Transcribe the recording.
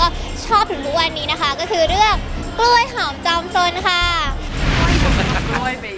ก็คือเลือกกล้วยหอมจอมส่นค่ะ